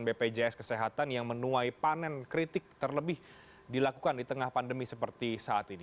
bpjs kesehatan yang menuai panen kritik terlebih dilakukan di tengah pandemi seperti saat ini